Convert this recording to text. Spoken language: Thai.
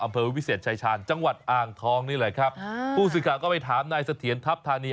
อำเภอวิเศษชายชาญจังหวัดอ่างทองนี่แหละครับผู้สื่อข่าวก็ไปถามนายเสถียรทัพธานี